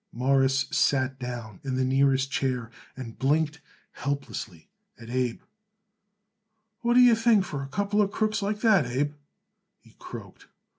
Morris sat down in the nearest chair and blinked helplessly at Abe. "What do you think for a couple of crooks like that, Abe?" he croaked.